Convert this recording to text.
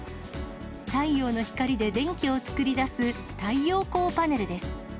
太陽の光で電気を作り出す太陽光パネルです。